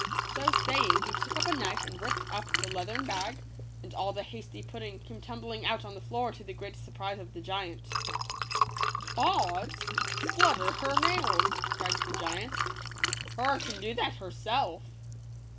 So saying he took up a knife and ripped up the leathern bag, and all the hasty pudding came tumbling out on the floor, to the great surprise of the giant. " Ods ! splutter hur nails !" cried the giant, " hur can do that hurself."